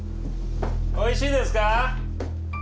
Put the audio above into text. おいしいですか？